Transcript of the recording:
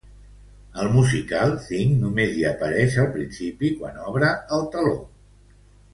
Al musical, Thing només hi apareix al principi, quan obre el teló.